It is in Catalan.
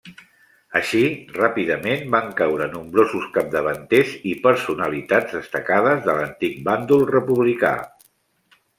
Així, ràpidament van caure nombrosos capdavanters i personalitats destacades de l'antic bàndol republicà.